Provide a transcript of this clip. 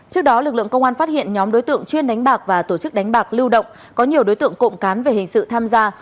trước đó lực lượng công an phát hiện nhóm đối tượng chuyên đánh bạc và tổ chức đánh bạc lưu động có nhiều đối tượng cộng cán về hình sự tham gia